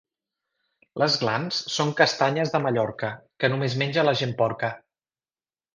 Les glans són castanyes de Mallorca, que només menja la gent porca.